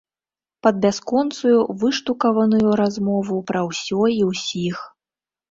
Пад бясконцую выштукаваную размову пра ўсё і ўсіх.